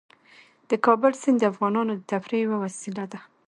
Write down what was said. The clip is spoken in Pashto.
د کابل سیند د افغانانو د تفریح یوه وسیله ده.